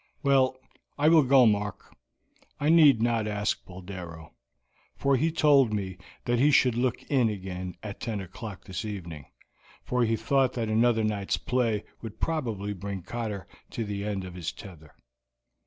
"Well, I will go, Mark. I need not ask Boldero, for he told me that he should look in again at ten o'clock this evening, for he thought that another night's play would probably bring Cotter to the end of his tether."